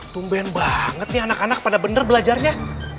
tumben banget nih anak anak pada bener belajarnya